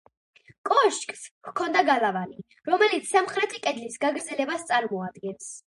კოშკს ჰქონდა გალავანი, რომელიც სამხრეთი კედლის გაგრძელებას წარმოადგენს.